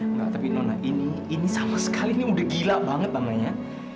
enggak tapi nona ini ini sama sekali ini udah gila banget namanya